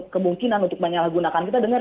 kemungkinan untuk menyalahgunakan kita dengar